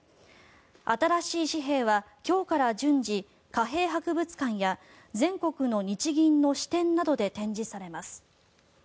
新しい紙幣は今日から順次貨幣博物館や全国の日銀の支店などで展示されます。